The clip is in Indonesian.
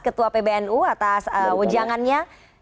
ketua pbnu atas wajangannya